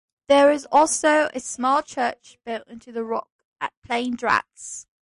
There is also a small church built into the rock at Plaine Dranse.